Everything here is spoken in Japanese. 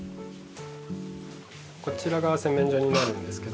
こちらが洗面所になるんですけど。